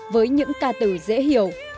với những ca từ dễ hiểu